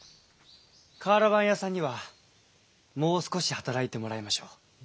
瓦版屋さんにはもう少し働いてもらいましょう。